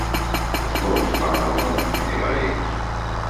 Os voos van agora medio baleiros.